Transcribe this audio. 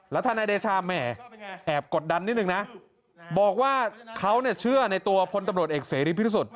แล้วถ้านายเดชาแหม่แอบกดดันนิดนึงนะบอกว่าเขาเนี่ยเชื่อในตัวพลตำรวจเอกเสรีพิทธิสุด